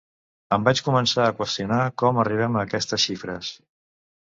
Em vaig començar a qüestionar com arribem a aquestes xifres.